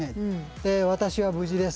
「私は無事です。